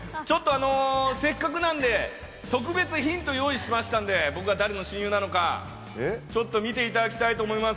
せっかくなんで特別ヒントを用意しましたので、僕が誰の親友なのか、ちょっと見ていただきたいと思います。